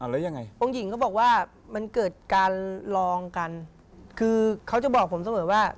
แล้วยังไงองค์หญิงเขาบอกว่า